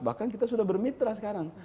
bahkan kita sudah bermitra sekarang